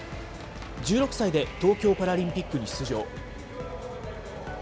１６歳で東京パラリンピックに出場。